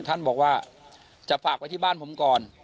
ท่านบอกว่าจะฝากไว้ที่บ้านผมก่อน